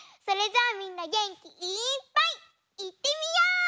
それじゃあみんなげんきいっぱいいってみよう！